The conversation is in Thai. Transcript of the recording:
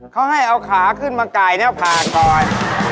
เขาให้เอาขาขึ้นมาก่ายเนี่ยผ่าก่อน